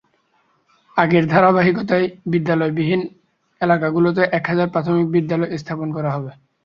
আগের ধারাবাহিকতায় বিদ্যালয়বিহীন এলাকাগুলোতে এক হাজার প্রাথমিক বিদ্যালয় স্থাপন করা হবে।